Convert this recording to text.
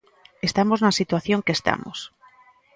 Estamos na situación que estamos.